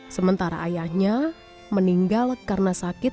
sementara ayahnya meninggal karena sakit